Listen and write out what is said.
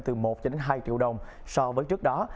từ một cho đến hai triệu đồng so với trước đó